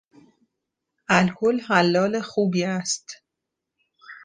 الکل حلال خوبی است.